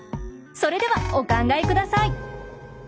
それではお考えください。